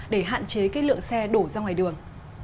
để hạn chế cái lượng xe đổ ra ngoài đường